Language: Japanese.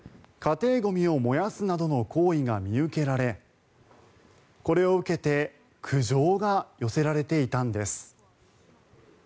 家庭ゴミを燃やすなどの行為が見受けられこれを受けて苦情が寄せられていたんです。